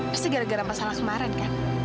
pasti gara gara masalah kemarin kan